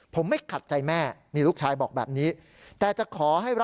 ผมไม่ขัดใจแม่นี่ลูกชายบอกแบบนี้